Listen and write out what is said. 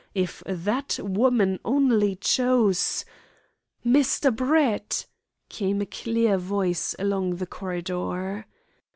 If that woman only chose " "Mr. Brett!" came a clear voice along the corridor.